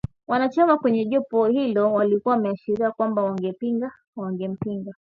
Wanachama kwenye jopo hilo walikuwa wameashiria kwamba wangempinga